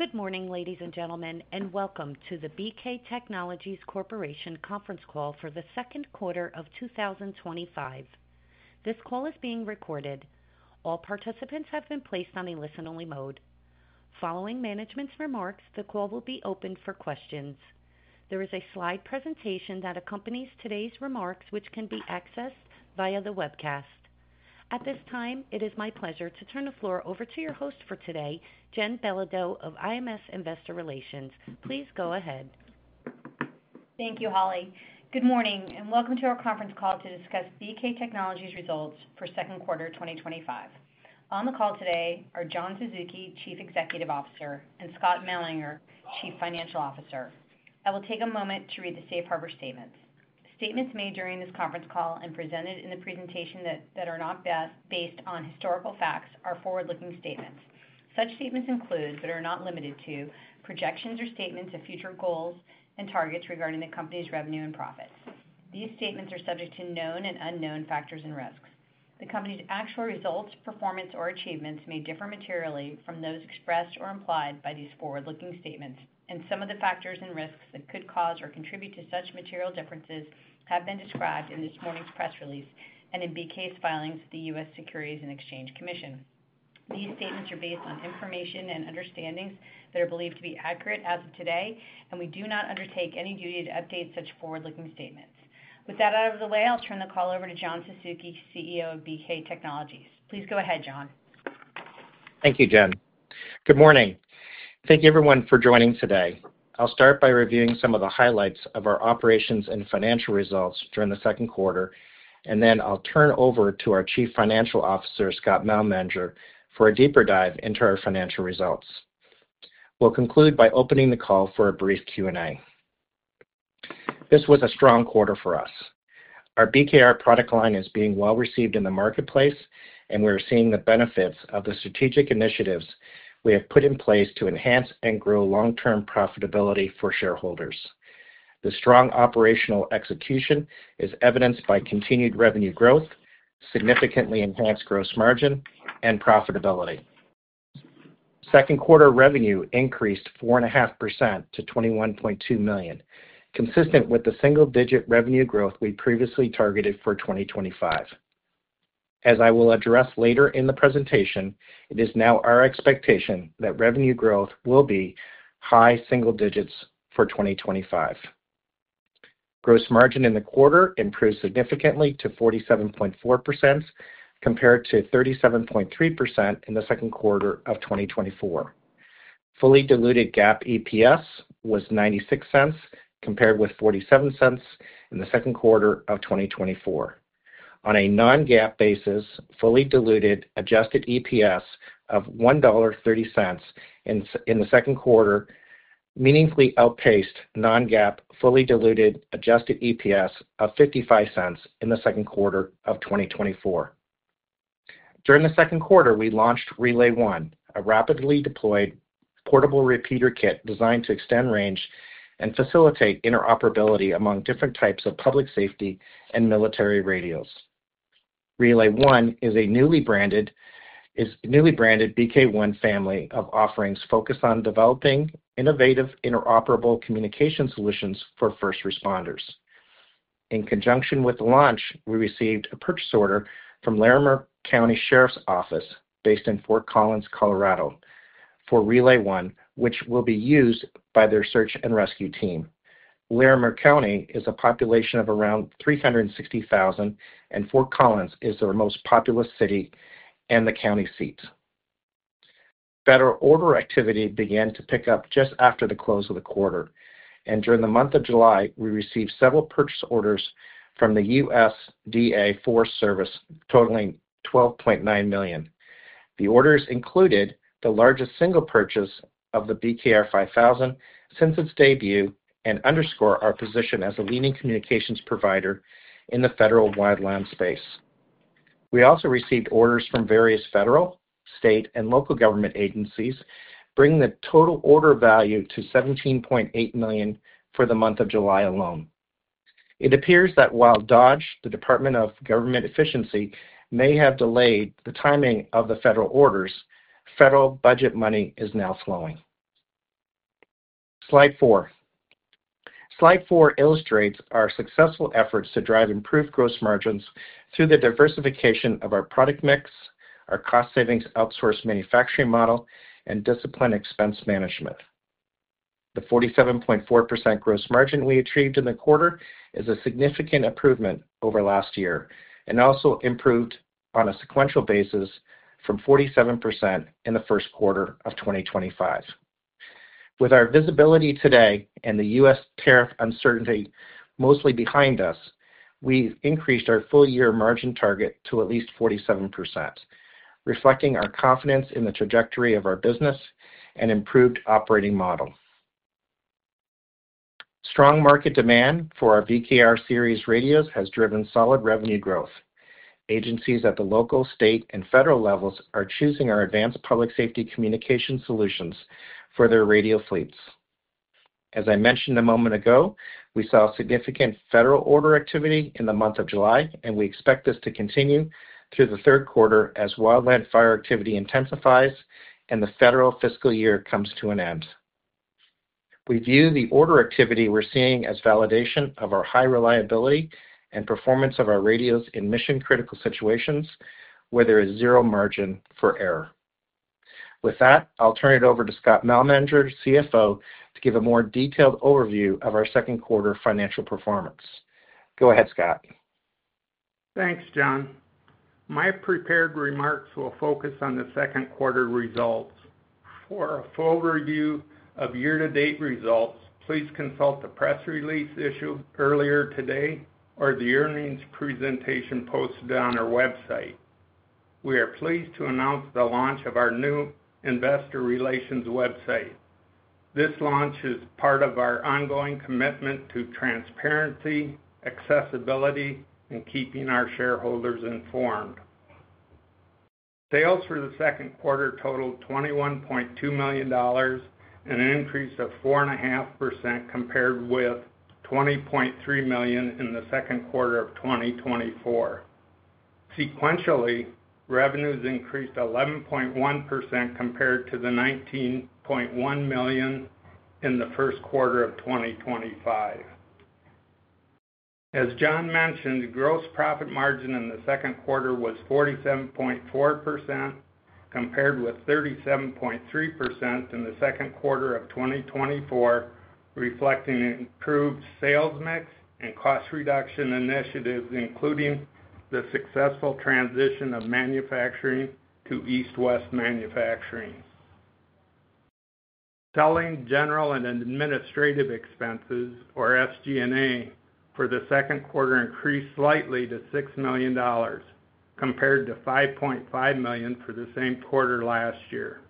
Good morning, ladies and gentlemen, and welcome to the BK Technologies Corporation conference call for the second quarter of 2025. This call is being recorded. All participants have been placed on a listen-only mode. Following management's remarks, the call will be open for questions. There is a slide presentation that accompanies today's remarks, which can be accessed via the webcast. At this time, it is my pleasure to turn the floor over to your host for today, Jen Belodeau of IMS Investor Relations. Please go ahead. Thank you, Holly. Good morning and welcome to our conference call to discuss BK Technologies' results for the second quarter 2025. On the call today are John Suzuki, Chief Executive Officer, and Scott Malmanger, Chief Financial Officer. I will take a moment to read the safe harbor statements. Statements made during this conference call and presented in the presentation that are not based on historical facts are forward-looking statements. Such statements include, but are not limited to, projections or statements of future goals and targets regarding the company's revenue and profits. These statements are subject to known and unknown factors and risks. The company's actual results, performance, or achievements may differ materially from those expressed or implied by these forward-looking statements, and some of the factors and risks that could cause or contribute to such material differences have been described in this morning's press release and in BK's filings with the U.S. Securities and Exchange Commission. These statements are based on information and understandings that are believed to be accurate as of today, and we do not undertake any duty to update such forward-looking statements. With that out of the way, I'll turn the call over to John Suzuki, CEO of BK Technologies. Please go ahead, John. Thank you, Jen. Good morning. Thank you, everyone, for joining today. I'll start by reviewing some of the highlights of our operations and financial results during the second quarter, and then I'll turn over to our Chief Financial Officer, Scott Malmanger, for a deeper dive into our financial results. We'll conclude by opening the call for a brief Q&A. This was a strong quarter for us. Our BKR product line is being well received in the marketplace, and we're seeing the benefits of the strategic initiatives we have put in place to enhance and grow long-term profitability for shareholders. The strong operational execution is evidenced by continued revenue growth, significantly enhanced gross margin, and profitability. Second quarter revenue increased 4.5% to $21.2 million, consistent with the single-digit revenue growth we previously targeted for 2025. As I will address later in the presentation, it is now our expectation that revenue growth will be high single digits for 2025. Gross margin in the quarter improved significantly to 47.4% compared to 37.3% in the second quarter of 2024. Fully diluted GAAP EPS was $0.96 compared with $0.47 in the second quarter of 2024. On a non-GAAP basis, fully diluted adjusted EPS of $1.30 in the second quarter meaningfully outpaced non-GAAP fully diluted adjusted EPS of $0.55 in the second quarter of 2024. During the second quarter, we launched RelayONE, a rapidly deployed portable repeater kit designed to extend range and facilitate interoperability among different types of public safety and military radios. RelayONE is a newly branded BK ONE family of offerings focused on developing innovative interoperable communication solutions for first responders. In conjunction with the launch, we received a purchase order from Larimer County Sheriff's Office based in Fort Collins, Colorado, for RelayONE, which will be used by their search and rescue team. Larimer County is a population of around 360,000, and Fort Collins is their most populous city and the county seat. Federal order activity began to pick up just after the close of the quarter, and during the month of July, we received several purchase orders from the USDA Forest Service totaling $12.9 million. The orders included the largest single purchase of the BKR 5000 since its debut and underscore our position as a leading communications provider in the federal wide LMR space. We also received orders from various federal, state, and local government agencies, bringing the total order value to $17.8 million for the month of July alone. It appears that while the Department of Government Efficiency may have delayed the timing of the federal orders, federal budget money is now flowing. Slide four. Slide four illustrates our successful efforts to drive improved gross margins through the diversification of our product mix, our cost-savings outsourced manufacturing model, and disciplined expense management. The 47.4% gross margin we achieved in the quarter is a significant improvement over last year and also improved on a sequential basis from 47% in the first quarter of 2025. With our visibility today and the U.S. tariff uncertainty mostly behind us, we've increased our full-year margin target to at least 47%, reflecting our confidence in the trajectory of our business and improved operating model. Strong market demand for our BKR series radios has driven solid revenue growth. Agencies at the local, state, and federal levels are choosing our advanced public safety communication solutions for their radio fleets. As I mentioned a moment ago, we saw significant federal order activity in the month of July, and we expect this to continue through the third quarter as wildland fire activity intensifies and the federal fiscal year comes to an end. We view the order activity we're seeing as validation of our high reliability and performance of our radios in mission-critical situations where there is zero margin for error. With that, I'll turn it over to Scott Malmanger, CFO, to give a more detailed overview of our second quarter financial performance. Go ahead, Scott. Thanks, John. My prepared remarks will focus on the second quarter results. For a full review of year-to-date results, please consult the press release issued earlier today or the earnings presentation posted on our website. We are pleased to announce the launch of our new investor relations website. This launch is part of our ongoing commitment to transparency, accessibility, and keeping our shareholders informed. Sales for the second quarter totaled $21.2 million, an increase of 4.5% compared with $20.3 million in the second quarter of 2024. Sequentially, revenues increased 11.1% compared to the $19.1 million in the first quarter of 2025. As John mentioned, the gross profit margin in the second quarter was 47.4% compared with 37.3% in the second quarter of 2024, reflecting an improved sales mix and cost reduction initiatives, including the successful transition of manufacturing to East West Manufacturing. Selling, general and administrative expenses, or SG&A, for the second quarter increased slightly to $6 million compared to $5.5 million for the same quarter last year.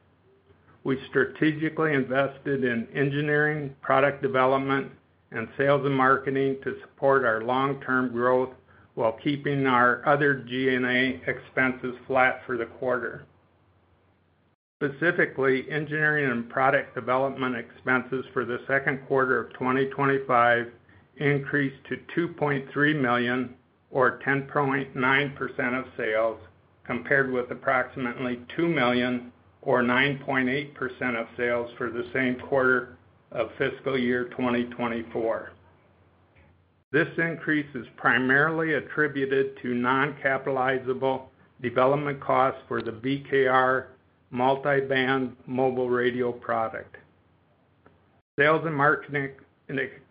We strategically invested in engineering, product development, and sales and marketing to support our long-term growth while keeping our other G&A expenses flat for the quarter. Specifically, engineering and product development expenses for the second quarter of 2025 increased to $2.3 million, or 10.9% of sales, compared with approximately $2 million, or 9.8% of sales for the same quarter of fiscal year 2024. This increase is primarily attributed to non-capitalizable development costs for the BKR multi-band mobile radio product. Sales and marketing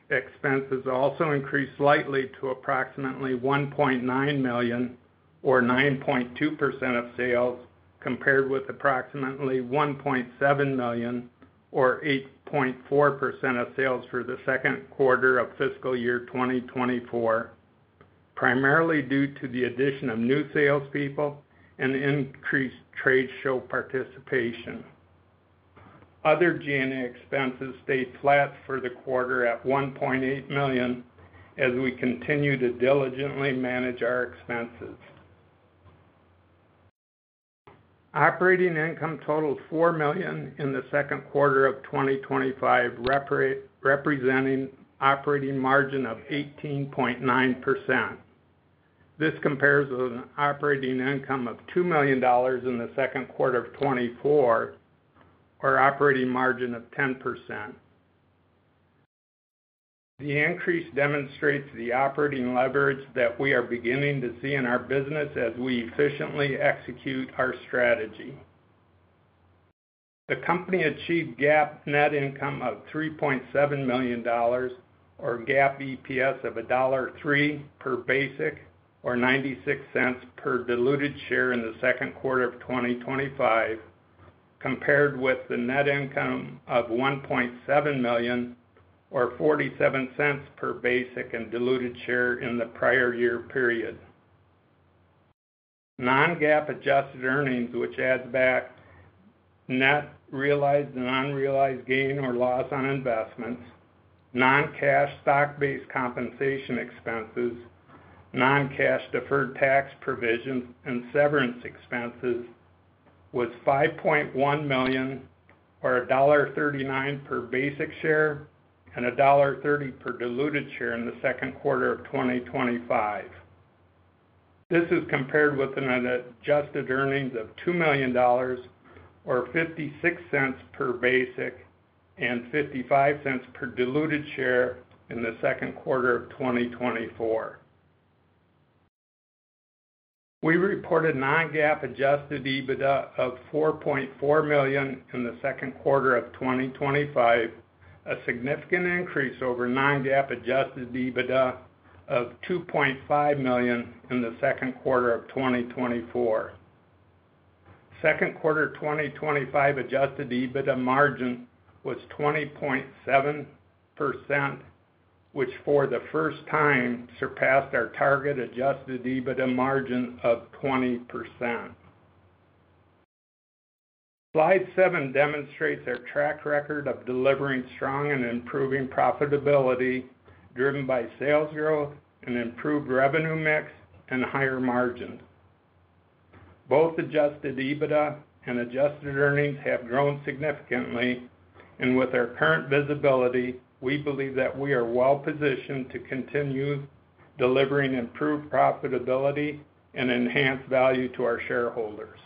expenses also increased slightly to approximately $1.9 million, or 9.2% of sales, compared with approximately $1.7 million, or 8.4% of sales for the second quarter of fiscal year 2024, primarily due to the addition of new salespeople and increased trade show participation. Other G&A expenses stayed flat for the quarter at $1.8 million as we continue to diligently manage our expenses. Operating income totaled $4 million in the second quarter of 2025, representing an operating margin of 18.9%. This compares with an operating income of $2 million in the second quarter of 2024, or an operating margin of 10%. The increase demonstrates the operating leverage that we are beginning to see in our business as we efficiently execute our strategy. The company achieved GAAP net income of $3.7 million, or GAAP EPS of $1.03 per basic or $0.96 per diluted share in the second quarter of 2025, compared with the net income of $1.7 million or $0.47 per basic and diluted share in the prior year period. Non-GAAP adjusted earnings, which adds back net realized and unrealized gain or loss on investments, non-cash stock-based compensation expenses, non-cash deferred tax provisions, and severance expenses, was $5.1 million or $1.39 per basic share and $1.30 per diluted share in the second quarter of 2025. This is compared with an adjusted earnings of $2 million or $0.56 per basic and $0.55 per diluted share in the second quarter of 2024. We reported non-GAAP adjusted EBITDA of $4.4 million in the second quarter of 2025, a significant increase over non-GAAP adjusted EBITDA of $2.5 million in the second quarter of 2024. Second quarter 2025 adjusted EBITDA margin was 20.7%, which for the first time surpassed our target adjusted EBITDA margin of 20%. Slide seven demonstrates our track record of delivering strong and improving profitability driven by sales growth and improved revenue mix and higher margin. Both adjusted EBITDA and adjusted earnings have grown significantly, and with our current visibility, we believe that we are well positioned to continue delivering improved profitability and enhanced value to our shareholders.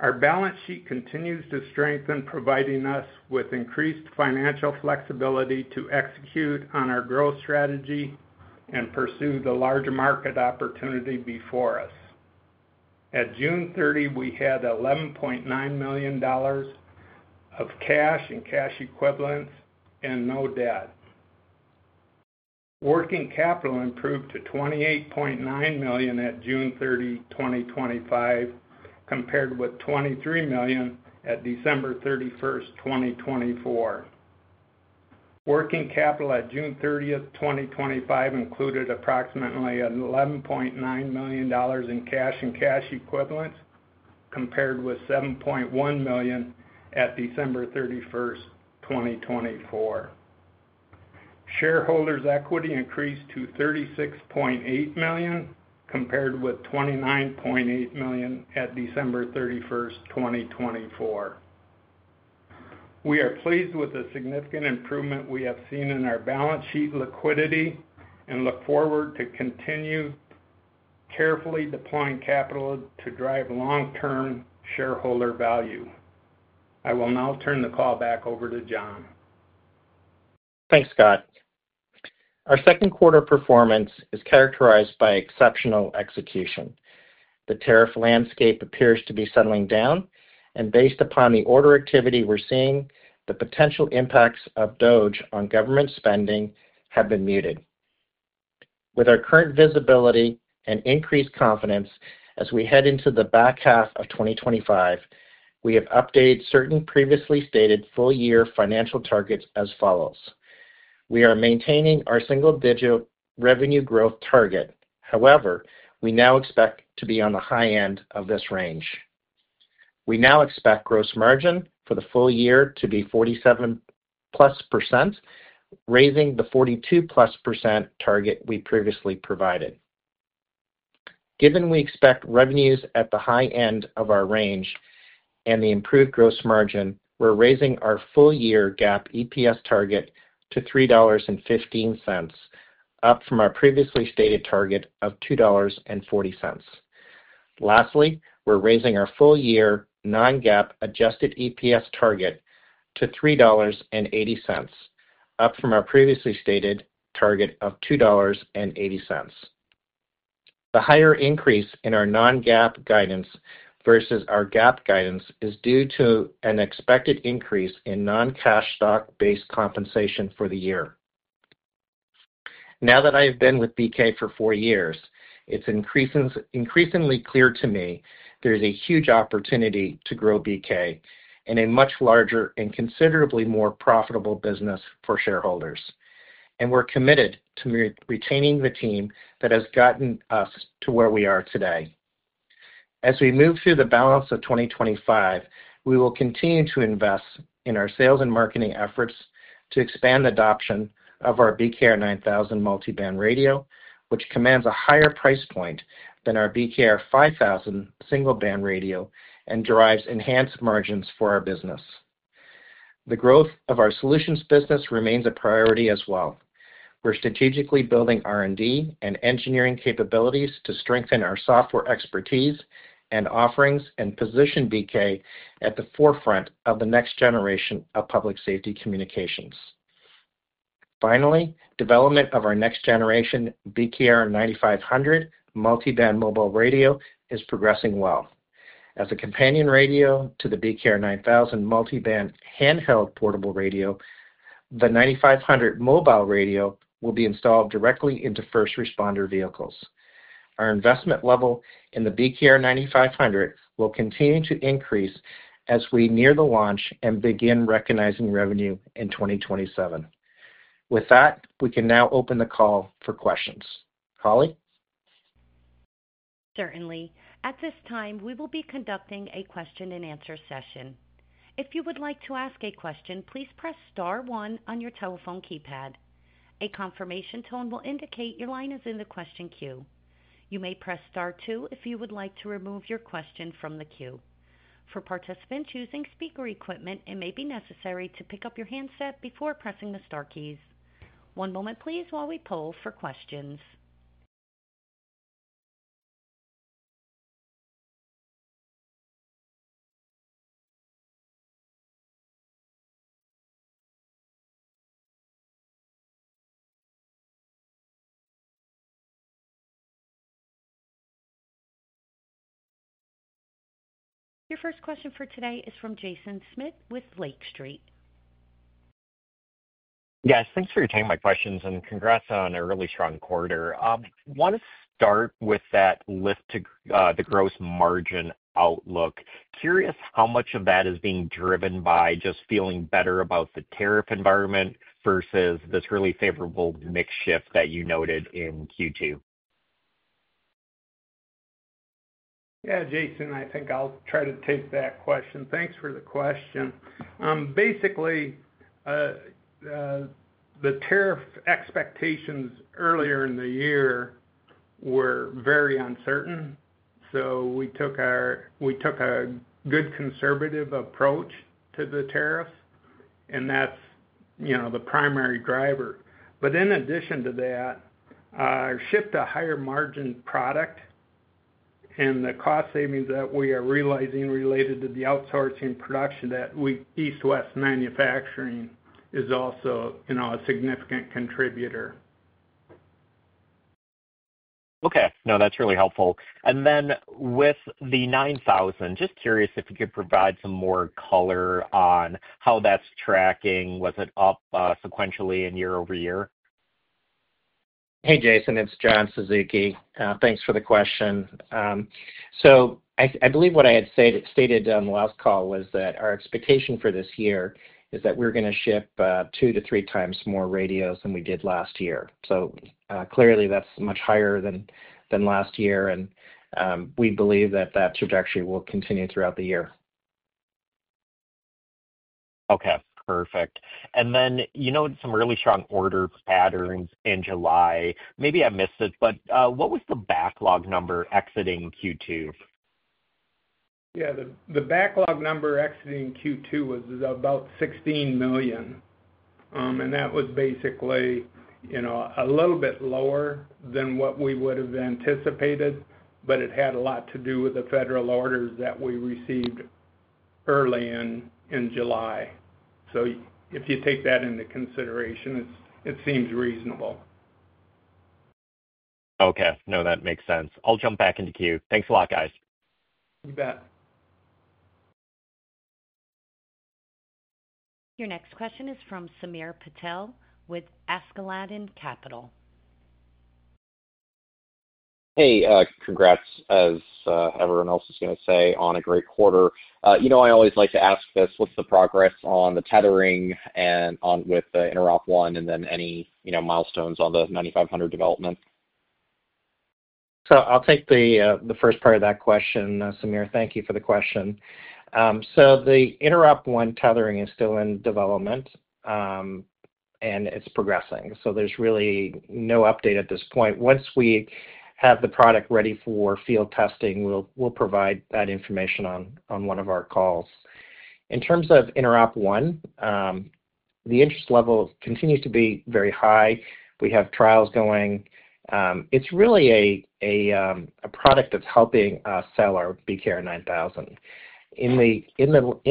Our balance sheet continues to strengthen, providing us with increased financial flexibility to execute on our growth strategy and pursue the large market opportunity before us. At June 30, we had $11.9 million of cash and cash equivalents and no debt. Working capital improved to $28.9 million at June 30, 2025, compared with $23 million at December 31st, 2024. Working capital at June 30th, 2025 included approximately $11.9 million in cash and cash equivalents, compared with $7.1 million at December 31st, 2024. Shareholders' equity increased to $36.8 million, compared with $29.8 million at December 31st, 2024. We are pleased with the significant improvement we have seen in our balance sheet liquidity and look forward to continue carefully deploying capital to drive long-term shareholder value. I will now turn the call back over to John. Thanks, Scott. Our second quarter performance is characterized by exceptional execution. The tariff landscape appears to be settling down, and based upon the order activity we're seeing, the potential impacts of DOGE on government spending have been muted. With our current visibility and increased confidence as we head into the back half of 2025, we have updated certain previously stated full-year financial targets as follows. We are maintaining our single-digit revenue growth target. However, we now expect to be on the high end of this range. We now expect gross margin for the full year to be 47%+, raising the 42%+ target we previously provided. Given we expect revenues at the high end of our range and the improved gross margin, we're raising our full-year GAAP EPS target to $3.15, up from our previously stated target of $2.40. Lastly, we're raising our full-year non-GAAP adjusted EPS target to $3.80, up from our previously stated target of $2.80. The higher increase in our non-GAAP guidance versus our GAAP guidance is due to an expected increase in non-cash stock-based compensation for the year. Now that I have been with BK for four years, it's increasingly clear to me there's a huge opportunity to grow BK in a much larger and considerably more profitable business for shareholders. We're committed to retaining the team that has gotten us to where we are today. As we move through the balance of 2025, we will continue to invest in our sales and marketing efforts to expand the adoption of our BKR 9000 multi-band radio, which commands a higher price point than our BKR 5000 single-band radio and drives enhanced margins for our business. The growth of our solutions business remains a priority as well. We're strategically building R&D and engineering capabilities to strengthen our software expertise and offerings and position BK at the forefront of the next generation of public safety communications. Finally, development of our next generation BKR 9500 multi-band mobile radio is progressing well. As a companion radio to the BKR 9000 multi-band handheld portable radio, the 9500 mobile radio will be installed directly into first responder vehicles. Our investment level in the BKR 9500 will continue to increase as we near the launch and begin recognizing revenue in 2027. With that, we can now open the call for questions. Holly? Certainly. At this time, we will be conducting a question and answer session. If you would like to ask a question, please press star one on your telephone keypad. A confirmation tone will indicate your line is in the question queue. You may press star two if you would like to remove your question from the queue. For participants using speaker equipment, it may be necessary to pick up your handset before pressing the star keys. One moment, please, while we poll for questions. Your first question for today is from Jaeson Schmidt with Lake Street. Yes, thanks for taking my questions and congrats on a really strong quarter. I want to start with that lift to the gross margin outlook. Curious how much of that is being driven by just feeling better about the tariff environment versus this really favorable mix shift that you noted in Q2. Yeah, Jaeson, I think I'll try to take that question. Thanks for the question. Basically, the tariff expectations earlier in the year were very uncertain. We took a good conservative approach to the tariffs, and that's the primary driver. In addition to that, a shift to a higher margin product and the cost savings that we are realizing related to the outsourced manufacturing with East West Manufacturing is also a significant contributor. Okay. No, that's really helpful. With the 9000, just curious if you could provide some more color on how that's tracking. Was it up sequentially in year-over-year? Hey, Jaeson. It's John Suzuki. Thanks for the question. I believe what I had stated on the last call was that our expectation for this year is that we're going to ship 2x-3x more radios than we did last year. Clearly, that's much higher than last year, and we believe that that trajectory will continue throughout the year. Okay. Perfect. You noted some really strong order patterns in July. Maybe I missed it, but what was the backlog number exiting Q2? Yeah, the backlog number exiting Q2 was about $16 million, and that was basically a little bit lower than what we would have anticipated, but it had a lot to do with the federal orders that we received early in July. If you take that into consideration, it seems reasonable. Okay, that makes sense. I'll jump back into queue. Thanks a lot, guys. You bet. Your next question is from Samir Patel with Askeladden Capital. Hey, congrats, as everyone else is going to say, on a great quarter. I always like to ask this. What's the progress on the tethering and on with the InteropONE, and then any milestones on the 9500 development? I'll take the first part of that question, Samir. Thank you for the question. The InteropONE tethering is still in development, and it's progressing. There's really no update at this point. Once we have the product ready for field testing, we'll provide that information on one of our calls. In terms of InteropONE, the interest level continues to be very high. We have trials going. It's really a product that's helping us sell our BKR 9000. In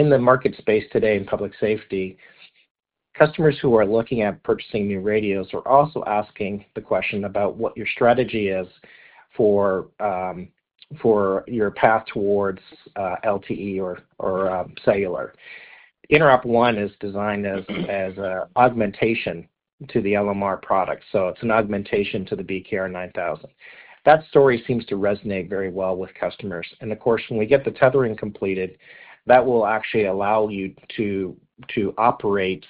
the market space today in public safety, customers who are looking at purchasing new radios are also asking the question about what your strategy is for your path towards LTE or cellular. InteropONE is designed as an augmentation to the LMR product. It's an augmentation to the BKR 9000. That story seems to resonate very well with customers. Of course, when we get the tethering completed, that will actually allow you to operate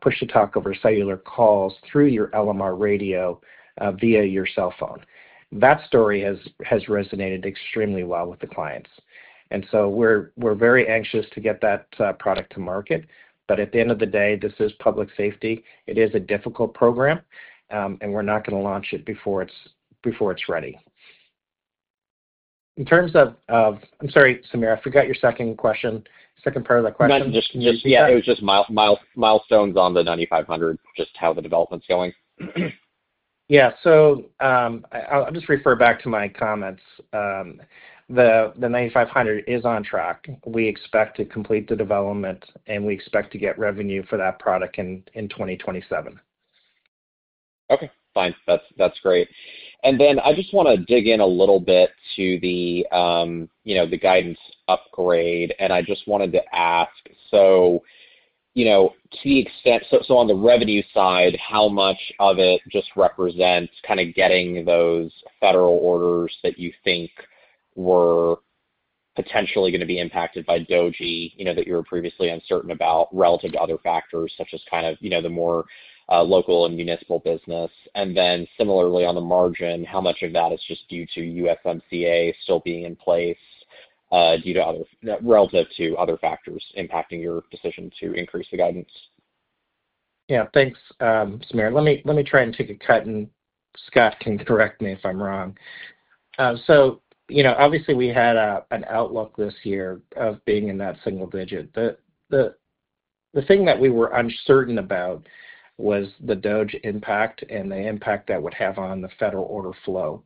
push-to-talk over cellular calls through your LMR radio via your cell phone. That story has resonated extremely well with the clients. We're very anxious to get that product to market. At the end of the day, this is public safety. It is a difficult program, and we're not going to launch it before it's ready. I'm sorry, Samir, I forgot your second question, second part of that question. Yeah, it was just milestones on the 9500, just how the development's going. I'll just refer back to my comments. The 9500 is on track. We expect to complete the development, and we expect to get revenue for that product in 2027. Okay. Fine. That's great. I just want to dig in a little bit to the guidance upgrade. I just wanted to ask, to the extent, on the revenue side, how much of it just represents kind of getting those federal orders that you think were potentially going to be impacted by DOGE, that you were previously uncertain about relative to other factors, such as the more local and municipal business? Similarly, on the margin, how much of that is just due to USMCA still being in place, relative to other factors impacting your decision to increase the guidance? Yeah, thanks, Samir. Let me try and take a cut, and Scott can correct me if I'm wrong. Obviously, we had an outlook this year of being in that single digit. The thing that we were uncertain about was the DOGE impact and the impact that would have on the federal order flow.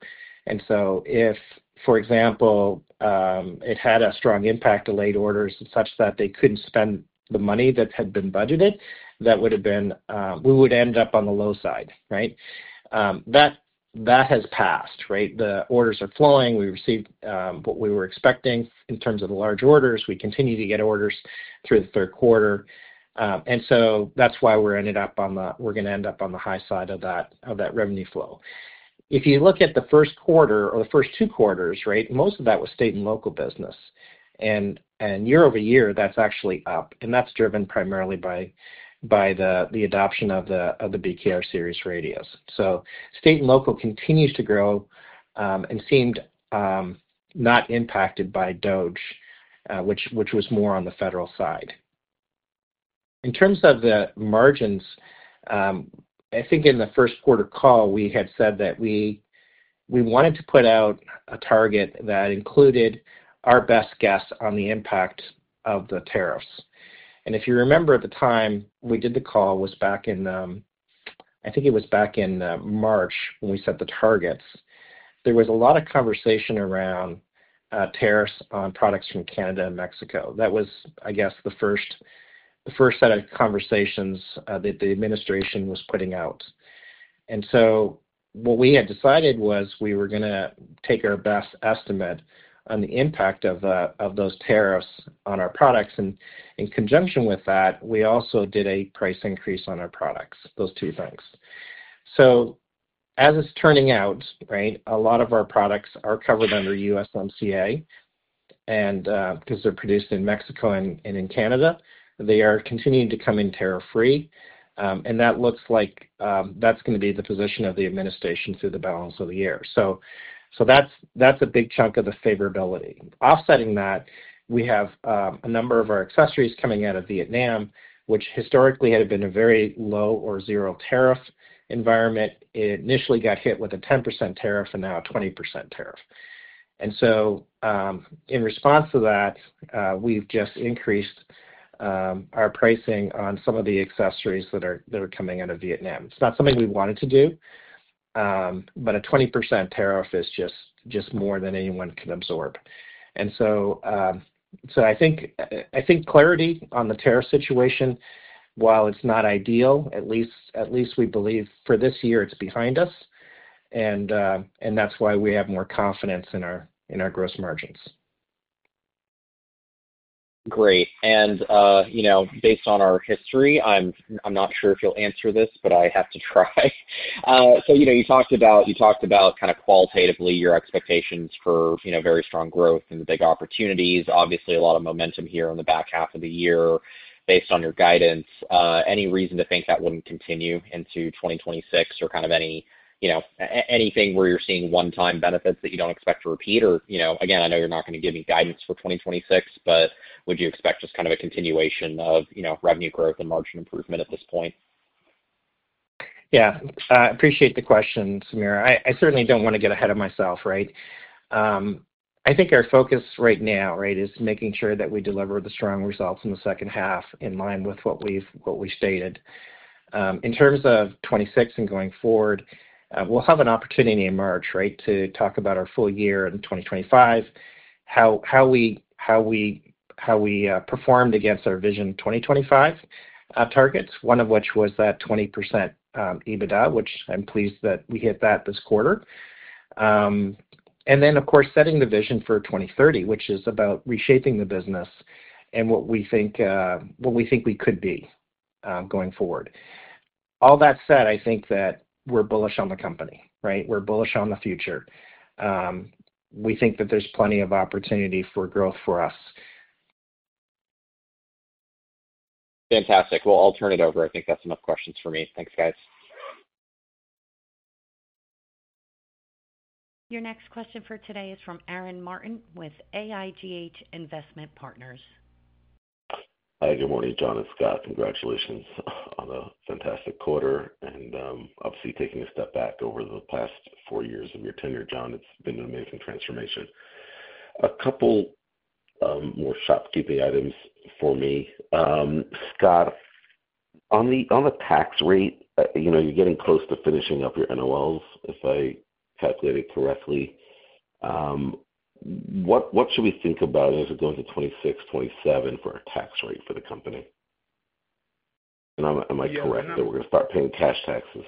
If, for example, it had a strong impact, delayed orders such that they couldn't spend the money that had been budgeted, we would end up on the low side, right? That has passed, right? The orders are flowing. We received what we were expecting in terms of large orders. We continue to get orders through the third quarter, and that's why we ended up on the, we're going to end up on the high side of that revenue flow. If you look at the first quarter or the first two quarters, most of that was state and local business, and year-over-year, that's actually up. That's driven primarily by the adoption of the BKR series radios. State and local continues to grow, and seemed not impacted by DOGE, which was more on the federal side. In terms of the margins, I think in the first quarter call, we had said that we wanted to put out a target that included our best guess on the impact of the tariffs. If you remember at the time we did the call, it was back in, I think it was back in March when we set the targets. There was a lot of conversation around tariffs on products from Canada and Mexico. That was, I guess, the first set of conversations that the administration was putting out. What we had decided was we were going to take our best estimate on the impact of those tariffs on our products. In conjunction with that, we also did a price increase on our products, those two things. As it's turning out, a lot of our products are covered under USMCA. Because they're produced in Mexico and in Canada, they are continuing to come in tariff-free. That looks like that's going to be the position of the administration through the balance of the year. That's a big chunk of the favorability. Offsetting that, we have a number of our accessories coming out of Vietnam, which historically had been a very low or zero tariff environment. It initially got hit with a 10% tariff and now a 20% tariff. In response to that, we've just increased our pricing on some of the accessories that are coming out of Vietnam. It's not something we wanted to do, but a 20% tariff is just more than anyone could absorb. I think clarity on the tariff situation, while it's not ideal, at least we believe for this year, it's behind us. That's why we have more confidence in our gross margins. Great. Based on our history, I'm not sure if you'll answer this, but I have to try. You talked about kind of qualitatively your expectations for very strong growth and the big opportunities. Obviously, a lot of momentum here in the back half of the year based on your guidance. Is there any reason to think that wouldn't continue into 2026 or anything where you're seeing one-time benefits that you don't expect to repeat? I know you're not going to give any guidance for 2026, but would you expect just kind of a continuation of revenue growth and margin improvement at this point? Yeah, I appreciate the question, Samir. I certainly don't want to get ahead of myself, right? I think our focus right now is making sure that we deliver the strong results in the second half in line with what we've stated. In terms of 2026 and going forward, we'll have an opportunity to emerge to talk about our full year in 2025, how we performed against our Vision 2025 targets, one of which was that 20% EBITDA, which I'm pleased that we hit this quarter. Of course, setting the vision for 2030 is about reshaping the business and what we think we could be going forward. All that said, I think that we're bullish on the company. We're bullish on the future. We think that there's plenty of opportunity for growth for us. Fantastic. I think that's enough questions for me. Thanks, guys. Your next question for today is from Aaron Martin with AIGH Investment Partners. Hi, good morning, John and Scott. Congratulations on a fantastic quarter. Obviously, taking a step back over the past four years of your tenure, John, it's been an amazing transformation. A couple more shopkeeping items for me. Scott, on the tax rate, you know, you're getting close to finishing up your NOLs, if I calculated correctly. What should we think about as we go into 2026, 2027 for our tax rate for the company? Am I correct that we're going to start paying cash taxes?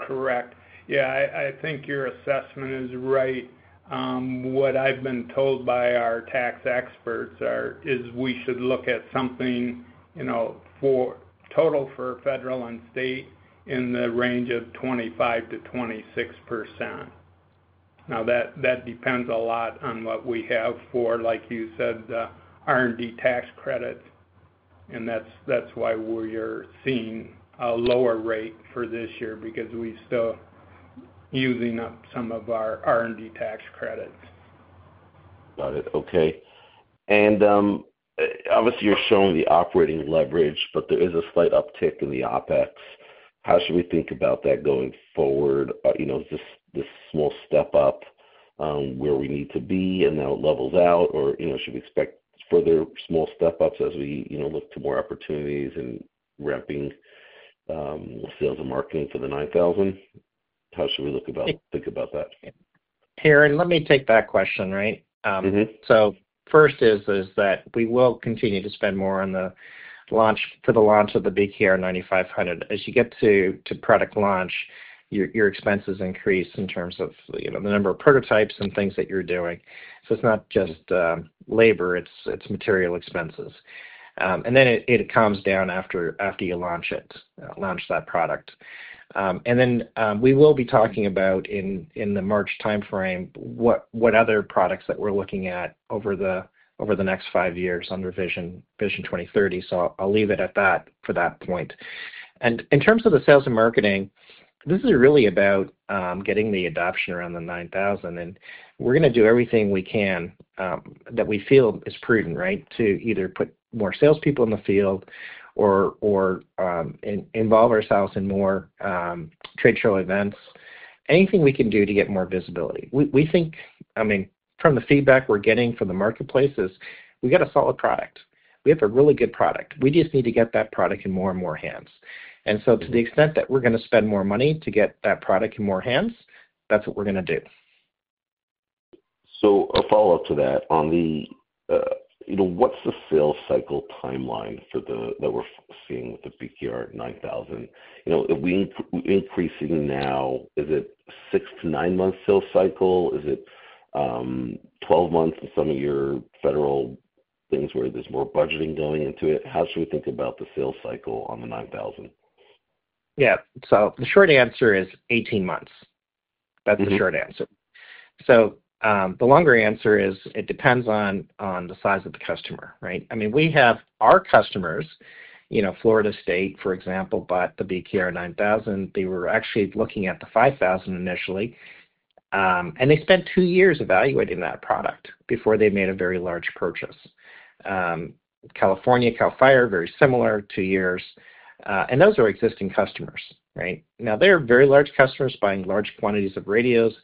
Correct. Yeah, I think your assessment is right. What I've been told by our tax experts is we should look at something, you know, for total for federal and state in the range of 25%-26%. Now, that depends a lot on what we have for, like you said, the R&D tax credits. That's why we're seeing a lower rate for this year because we're still using up some of our R&D tax credits. Got it. Okay. Obviously, you're showing the operating leverage, but there is a slight uptick in the OpEx. How should we think about that going forward? Is this small step up where we need to be and now it levels out, or should we expect further small step ups as we look to more opportunities and ramping sales and marketing for the 9000? How should we think about that? Aaron, let me take that question. First, we will continue to spend more on the launch of the BKR 9500. As you get to product launch, your expenses increase in terms of the number of prototypes and things that you're doing. It's not just labor, it's material expenses, and then it calms down after you launch that product. We will be talking about in the March timeframe what other products we're looking at over the next five years under Vision 2030. I'll leave it at that for that point. In terms of the sales and marketing, this is really about getting the adoption around the 9000. We're going to do everything we can that we feel is prudent to either put more salespeople in the field or involve ourselves in more trade show events, anything we can do to get more visibility. From the feedback we're getting from the marketplace, we have a solid product. We have a really good product. We just need to get that product in more and more hands. To the extent that we're going to spend more money to get that product in more hands, that's what we're going to do. A follow-up to that, what's the sales cycle timeline that we're seeing with the BKR 9000? We're increasing now. Is it six to nine months sales cycle? Is it 12 months in some of your federal things where there's more budgeting going into it? How should we think about the sales cycle on the 9000? Yeah. The short answer is 18 months. That's the short answer. The longer answer is it depends on the size of the customer, right? I mean, we have our customers. Florida State, for example, bought the BKR 9000. They were actually looking at the 5000 initially, and they spent two years evaluating that product before they made a very large purchase. California Cal Fire, very similar, two years. Those are existing customers, right? Now, they're very large customers buying large quantities of radios,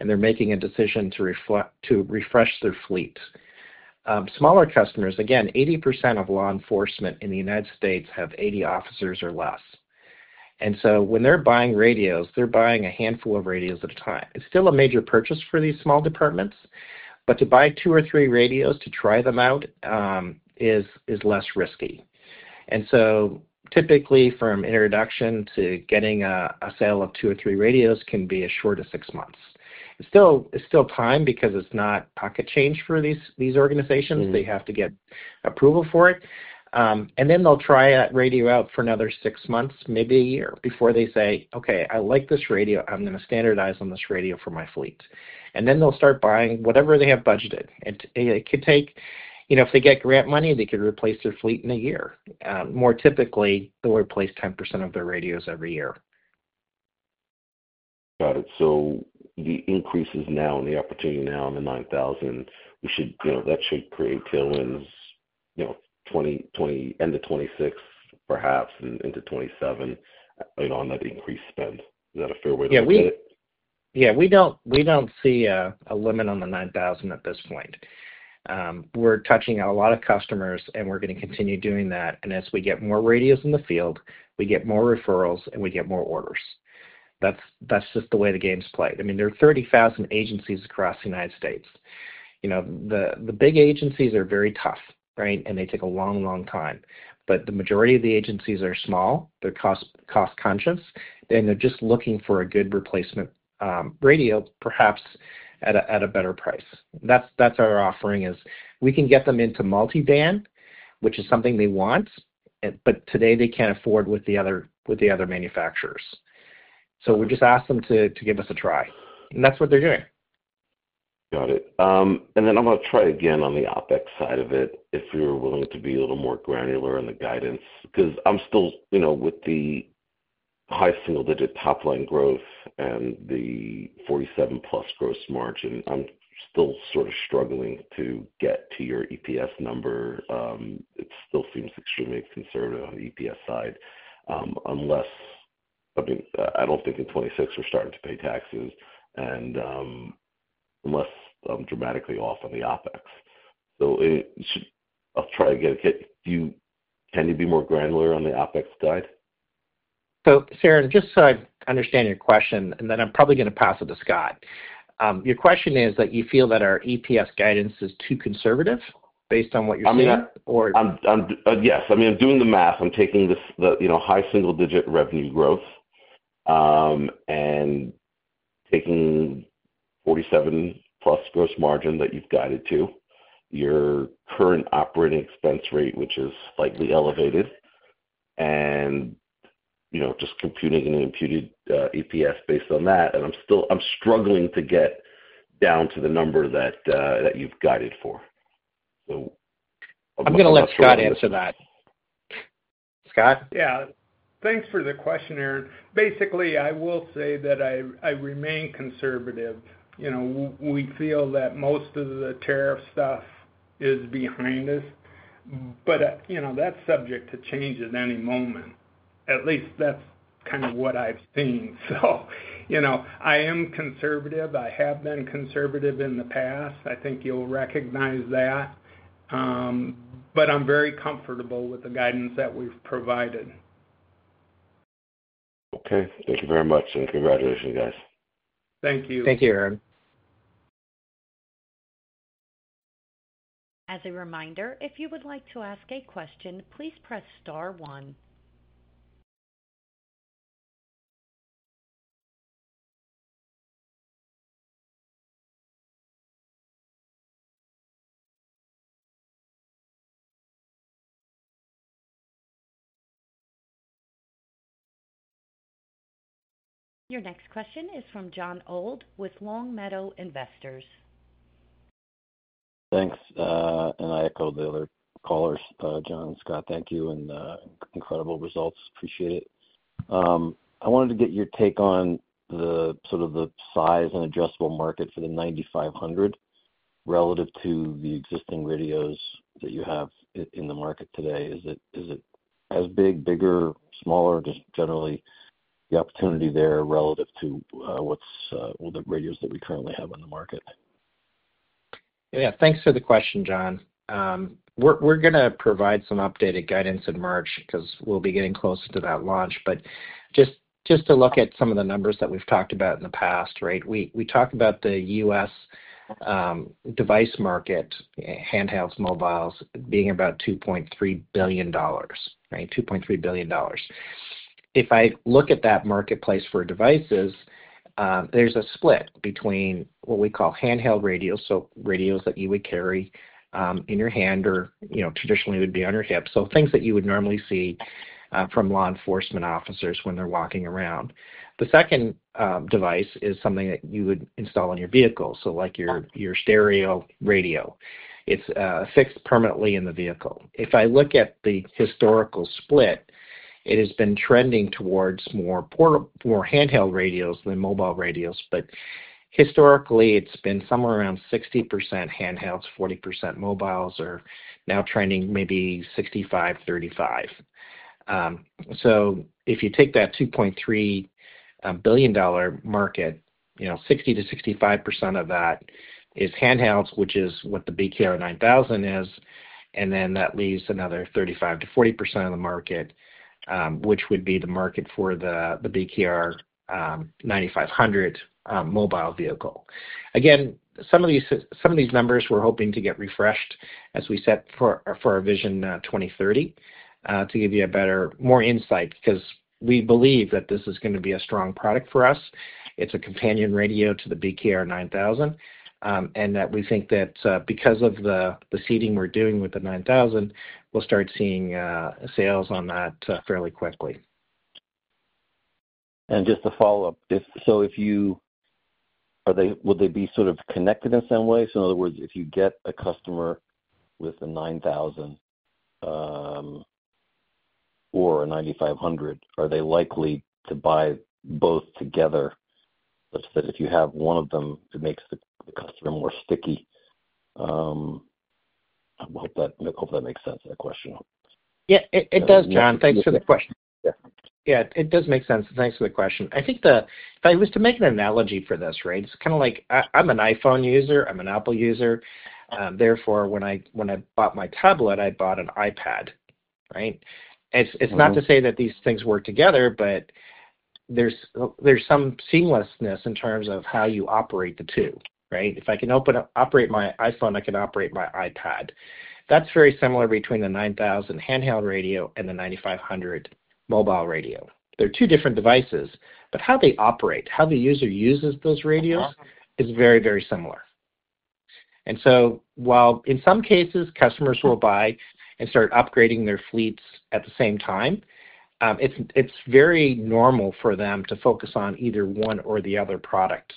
and they're making a decision to refresh their fleet. Smaller customers, again, 80% of law enforcement in the United States have 80 officers or less. When they're buying radios, they're buying a handful of radios at a time. It's still a major purchase for these small departments. To buy two or three radios to try them out is less risky. Typically, from introduction to getting a sale of two or three radios can be as short as six months. It's still time because it's not pocket change for these organizations. They have to get approval for it, and then they'll try that radio out for another six months, maybe a year, before they say, "Okay, I like this radio. I'm going to standardize on this radio for my fleet." Then they'll start buying whatever they have budgeted. If they get grant money, they could replace their fleet in a year. More typically, they'll replace 10% of their radios every year. Got it. The increases now and the opportunity now in the 9000, we should, you know, that should create tailwinds, you know, 2026, perhaps, and into 2027, you know, on that increased spend. Is that a fair way to look at it? Yeah, we don't see a limit on the 9000 at this point. We're touching on a lot of customers, and we're going to continue doing that. As we get more radios in the field, we get more referrals, and we get more orders. That's just the way the game's played. There are 30,000 agencies across the United States. The big agencies are very tough, right? They take a long, long time. The majority of the agencies are small. They're cost-conscious, and they're just looking for a good replacement radio, perhaps at a better price. That's our offering. We can get them into multi-band, which is something they want, but today they can't afford with the other manufacturers. We just ask them to give us a try. That's what they're doing. Got it. I'm going to try again on the OpEx side of it if you're willing to be a little more granular in the guidance because I'm still, you know, with the high single-digit top-line growth and the 47%+ gross margin, I'm still sort of struggling to get to your EPS number. It still seems extremely conservative on the EPS side. I mean, I don't think in 2026 we're starting to pay taxes, and unless I'm dramatically off on the OpEx. I'll try again. Can you be more granular on the OpEx guide? Sarah, just so I understand your question, I'm probably going to pass it to Scott. Your question is that you feel that our EPS guidance is too conservative based on what you're seeing? Yes. I mean, I'm doing the math. I'm taking the high single-digit revenue growth and taking 47%+ gross margin that you've guided to, your current operating expense rate, which is slightly elevated, and you know, just computing an imputed EPS based on that. I'm still, I'm struggling to get down to the number that you've guided for. I'm going to let Scott answer that. Scott? Thanks for the question, Aaron. Basically, I will say that I remain conservative. We feel that most of the tariff stuff is behind us, but that's subject to change at any moment. At least that's kind of what I've seen. I am conservative. I have been conservative in the past. I think you'll recognize that. I'm very comfortable with the guidance that we've provided. Okay. Thank you very much, and congratulations, guys. Thank you. Thank you, Aaron. As a reminder, if you would like to ask a question, please press star one. Your next question is from Jon Old with Long Meadow Investors. Thanks. I echo the other callers. John, Scott, thank you and incredible results. Appreciate it. I wanted to get your take on the sort of the size and addressable market for the 9500 relative to the existing radios that you have in the market today. Is it as big, bigger, smaller, or just generally the opportunity there relative to what's all the radios that we currently have in the market? Yeah, thanks for the question, John. We're going to provide some updated guidance in March because we'll be getting closer to that launch. Just to look at some of the numbers that we've talked about in the past, right, we talked about the U.S. device market, handhelds, mobiles, being about $2.3 billion, right? $2.3 billion. If I look at that marketplace for devices, there's a split between what we call handheld radios, so radios that you would carry in your hand or, you know, traditionally would be on your hip. Things that you would normally see from law enforcement officers when they're walking around. The second device is something that you would install in your vehicle, like your stereo radio. It's fixed permanently in the vehicle. If I look at the historical split, it has been trending towards more handheld radios than mobile radios. Historically, it's been somewhere around 60% handhelds, 40% mobiles, or now trending maybe 65/35. If you take that $2.3 billion market, 60%-65% of that is handhelds, which is what the BKR 9000 is. That leaves another 35%-40% of the market, which would be the market for the BKR 9500 mobile vehicle. Some of these numbers we're hoping to get refreshed as we set for our vision 2030 to give you better, more insight because we believe that this is going to be a strong product for us. It's a companion radio to the BKR 9000. We think that because of the seating we're doing with the 9000, we'll start seeing sales on that fairly quickly. Just to follow up, would they be sort of connected in some way? In other words, if you get a customer with a 9000 or a 9500, are they likely to buy both together such that if you have one of them, it makes the customer more sticky? I hope that makes sense of the question. Yeah, it does, John. Thanks for the question. It does make sense. Thanks for the question. I think if I was to make an analogy for this, it's kind of like I'm an iPhone user. I'm an Apple user. Therefore, when I bought my tablet, I bought an iPad. It's not to say that these things work together, but there's some seamlessness in terms of how you operate the two. If I can operate my iPhone, I can operate my iPad. That's very similar between a 9000 handheld radio and a 9500 mobile radio. They're two different devices, but how they operate, how the user uses those radios is very, very similar. In some cases, customers will buy and start upgrading their fleets at the same time. It's very normal for them to focus on either one or the other products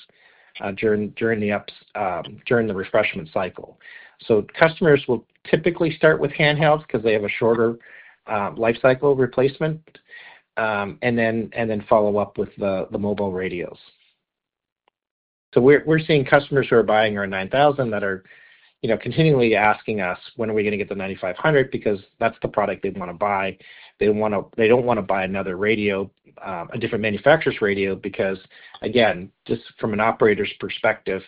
during the refreshment cycle. Customers will typically start with handhelds because they have a shorter lifecycle replacement, and then follow up with the mobile radios. We're seeing customers who are buying our 9000 that are continually asking us, "When are we going to get the 9500?" because that's the product they want to buy. They don't want to buy another radio, a different manufacturer's radio because, again, just from an operator's perspective,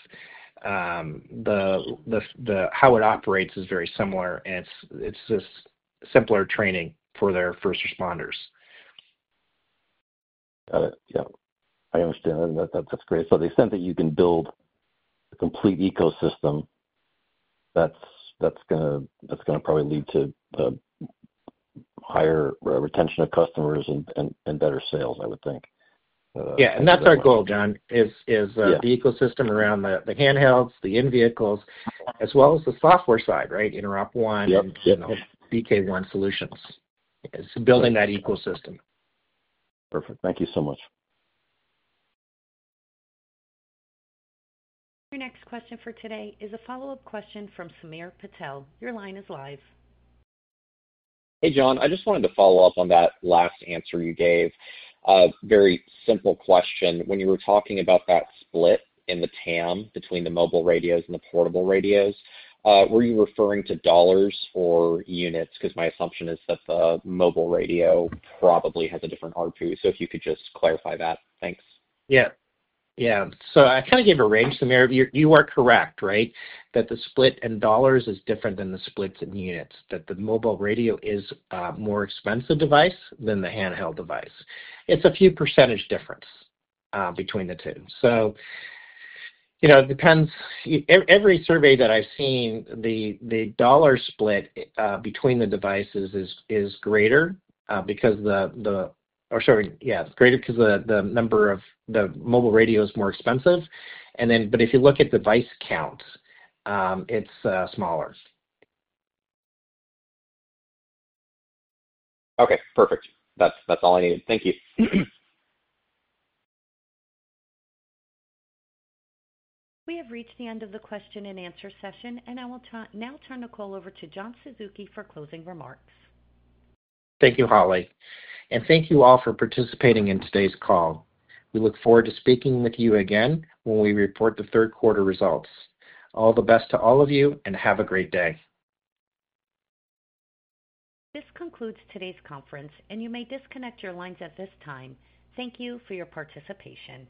how it operates is very similar, and it's just simpler training for their first responders. Got it. Yeah, I understand. That's great. To the extent that you can build a complete ecosystem, that's going to probably lead to a higher retention of customers and better sales, I would think. That's our goal, John, the ecosystem around the handhelds, the in-vehicles, as well as the software side, right? InteropONE, BK ONE Solutions. It's building that ecosystem. Perfect. Thank you so much. Our next question for today is a follow-up question from Samir Patel. Your line is live. Hey, John. I just wanted to follow up on that last answer you gave. A very simple question. When you were talking about that split in the TAM between the mobile radios and the portable radios, were you referring to dollars or units? My assumption is that the mobile radio probably has a different ARPU. If you could just clarify that. Thanks. Yeah. I kind of gave a range, Samir. You are correct, right, that the split in dollars is different than the split in units, that the mobile radio is a more expensive device than the handheld device. It's a few percentage difference between the two. You know, it depends. Every survey that I've seen, the dollar split between the devices is greater because the number of the mobile radio is more expensive. If you look at device counts, it's smaller. Okay. Perfect. That's all I need. Thank you. We have reached the end of the question and answer session, and I will now turn the call over to John Suzuki for closing remarks. Thank you, Holly. Thank you all for participating in today's call. We look forward to speaking with you again when we report the third quarter results. All the best to all of you, and have a great day. This concludes today's conference, and you may disconnect your lines at this time. Thank you for your participation.